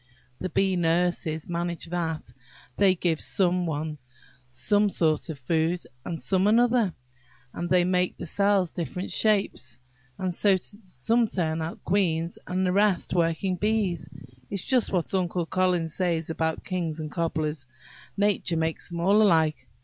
The bee nurses manage that; they give some one sort of food, and some another, and they make the cells different shapes, and so some turn out queens, and the rest working bees. It's just what Uncle Collins says about kings and cobblers–nature makes them all alike.